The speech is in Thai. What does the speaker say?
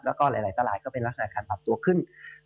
แล้วก็หลายตลาดก็เป็นลักษณะการปรับตัวขึ้น